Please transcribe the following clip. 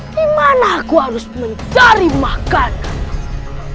dimana aku harus mencari makanan